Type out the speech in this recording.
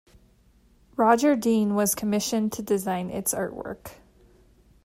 Roger Dean was commissioned to design its artwork.